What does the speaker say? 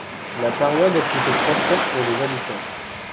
La période est plutôt prospère pour les habitants.